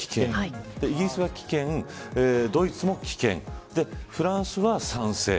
イギリスは棄権、ドイツも棄権フランスは賛成。